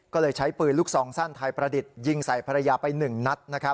ก็เลยใช้ปืนลูกซองสั้นไทยประดิษฐ์ยิงใส่ภรรยาไป๑นัด